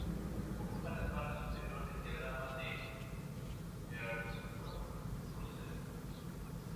Ocupan la parte superior del diagrama de Hertzsprung-Russell.